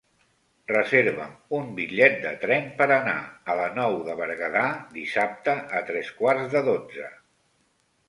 Reserva'm un bitllet de tren per anar a la Nou de Berguedà dissabte a tres quarts de dotze.